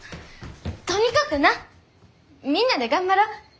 とにかくなみんなで頑張ろう。